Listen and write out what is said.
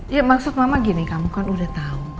ya maksud mama gini kamu kan udah tahu